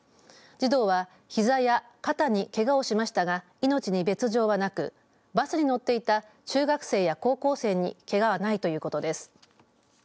児童はひざや肩にけがをしましたが命に別状はなくバスに乗っていた中学生や高校生にけがはないということです。